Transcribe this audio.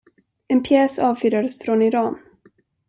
En pjäs avfyrades från Iran.